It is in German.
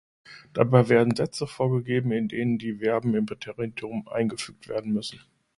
Dabei werden Sätze vorgegeben, in denen die Verben im Präteritum eingefügt werden müssen.